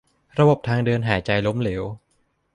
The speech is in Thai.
ระบบทางเดินหายใจล้มเหลว